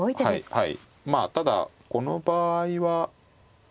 はい。